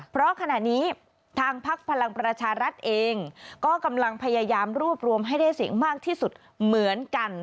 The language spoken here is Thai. เพราะขณะนี้ทางพักพลังประชารัฐเองก็กำลังพยายามรวบรวมให้ได้เสียงมากที่สุดเหมือนกัน